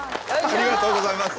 ありがとうございます。